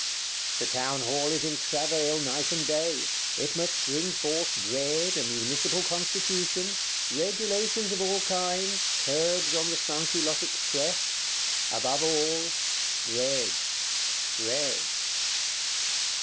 The Townhall is in travail, night and day; it must bring forth Bread, a Municipal Constitution, regulations of all kinds, curbs on the Sansculottic Press; above all, Bread, Bread.